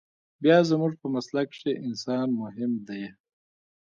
بيا زموږ په مسلک کښې انسان مهم ديه.